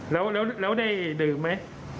แล้วได้ดื่มไหม